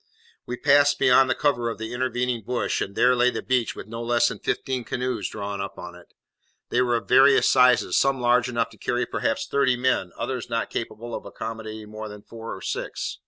We passed beyond the cover of the intervening bush, and there lay the beach, with no less than fifteen canoes drawn up on it. They were of various sizes, some large enough to carry perhaps thirty men, others not capable of accommodating more than four or six.